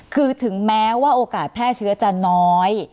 คือถึงแม้ว่าโอกาสแพร่เชื้อจะน้อย